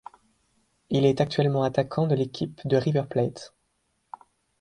Il est actuellement attaquant de l'équipe de River Plate.